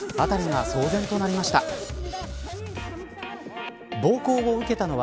辺りが騒然となりました。